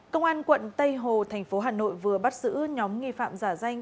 công an quận tây hồ tp hcm vừa bắt giữ nhóm nghi phạm giả danh